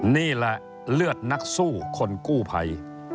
นี่แหละเลือดนักสู้คนกู้ภัย